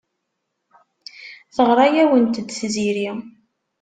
Teɣra-awent-d Tiziri.